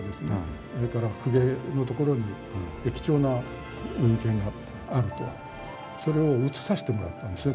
それから公家のところに貴重な文献があるとそれを写させてもらったんですね